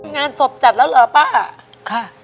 งานศพจัดแล้วหรือป๊า